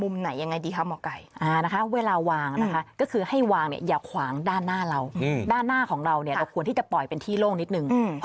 ใช่ไหมเพราะว่าต้นไม้มันไม่ได้อยู่นิ่งมันก็โตไปเรื่อย